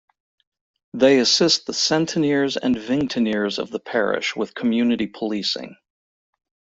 They assist the Centeniers and vingteniers of the parish with community policing.